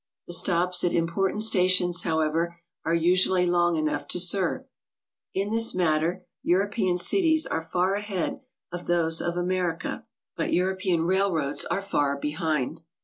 The stops at impor tant stations, however, are usually long enough to serve. In 62 GOING ABROAD? this matter European cities are far ahead of those of Amer ica, but European railroads are far behind.